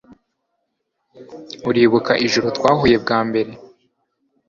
Uribuka ijoro twahuye bwa mbere